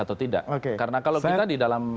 atau tidak karena kalau kita di dalam